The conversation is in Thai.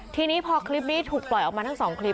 ทีนี้พอคลิปนี้ถูกปล่อยออกมาทั้งสองคลิป